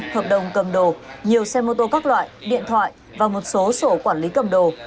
hợp đồng cầm đồ nhiều xe mô tô các loại điện thoại và một số sổ quản lý cầm đồ